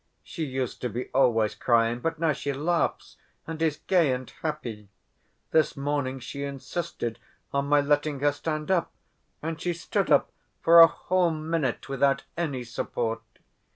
She used to be always crying, but now she laughs and is gay and happy. This morning she insisted on my letting her stand up, and she stood up for a whole minute without any support.